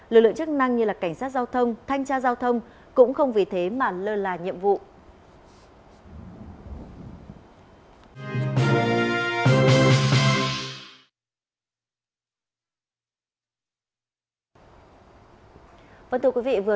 lực lượng chức năng như cảnh sát giao thông thanh tra giao thông cũng không vì thế mà lơ là nhiệm vụ